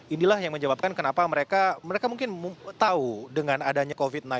inilah yang menyebabkan kenapa mereka mungkin tahu dengan adanya covid sembilan belas